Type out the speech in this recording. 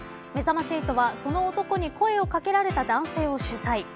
めざまし８は、その男に声を掛けられた男性を取材。